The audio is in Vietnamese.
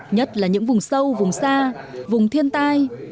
nhất là những vùng sâu vùng xa vùng thiên tai